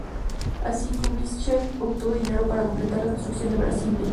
Así, Kubitschek obtuvo dinero para completar la construcción de Brasilia.